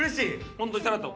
ホントにさらっと。